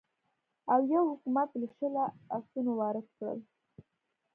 اویو حکومت له شله اسونه وارد کړل.